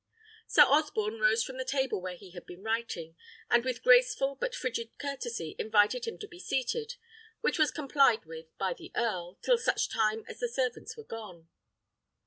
Sir Osborne rose from the table where he had been writing, and with graceful but frigid courtesy, invited him to be seated, which was complied with by the earl, till such time as the servants were gone.